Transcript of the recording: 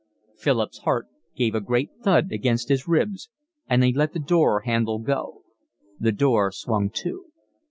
Philip's heart gave a great thud against his ribs, and he let the door handle go. The door swung to.